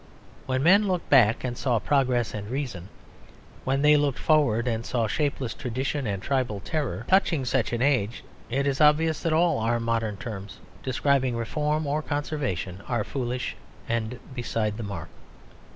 When men looked back they saw progress and reason; when they looked forward they saw shapeless tradition and tribal terror. Touching such an age it is obvious that all our modern terms describing reform or conservation are foolish and beside the mark.